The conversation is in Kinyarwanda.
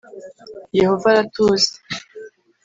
yehova aratuzi